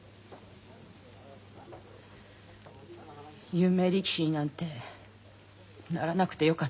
有名力士になんてならなくてよかった。